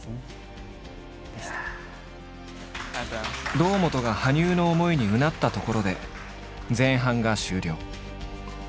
堂本が羽生の思いにうなったところで前半が終了。